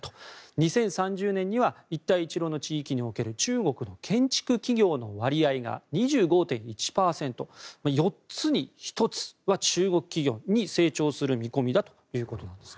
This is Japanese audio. ２０３０年には一帯一路の地域における中国の建築企業の割合が２５．１％４つに１つは中国企業に成長する見込みだということです。